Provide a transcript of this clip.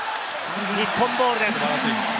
日本ボールです。